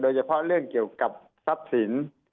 โดยเฉพาะเรื่องเกี่ยวกับทรัพย์สิน